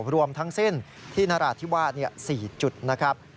รวมทั้งสิ้นที่นราธิวาส๔จุดนะครับ